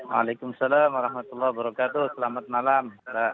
waalaikumsalam selamat malam